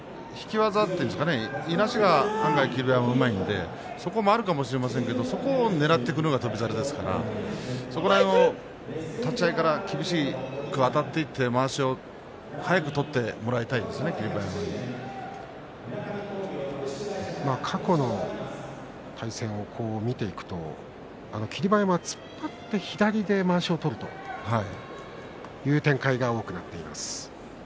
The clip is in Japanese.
離れても引き技というかいなしが霧馬山は案外うまいのでそれもあるかもしれませんけどそこをねらってくるのが翔猿ですから立ち合いから厳しくあたっていってまわしを早く取ってもらいたい過去の対戦は見ていきますと霧馬山は突っ張って左でまわしを取る、そういう展開が多くなっています。